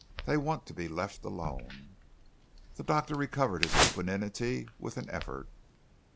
They want to be let alone." The doctor recovered his equanimity with an effort.